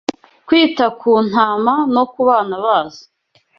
Kwita ku ntama no ku bana bazo